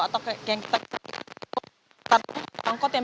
atau yang kita lihat di kawasan tanah abang